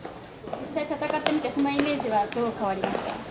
実際戦ってみてそのイメージはどのように変わりましたか。